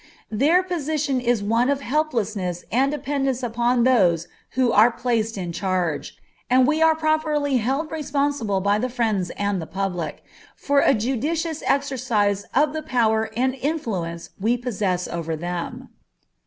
Their position is one of helplessness and dependence upon those who are placed in charge, and we are properly held responsible by the friends and the public, for a judicious exercise of the power and influence we possess over them.